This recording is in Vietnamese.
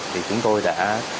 thì chúng tôi đã